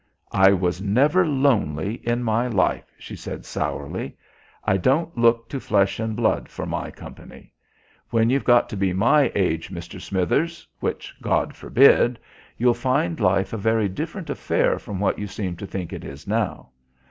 "I was never lonely in my life," she said sourly. "I don't look to flesh and blood for my company. When you've got to be my age, Mr. Smithers (which God forbid), you'll find life a very different affair from what you seem to think it is now.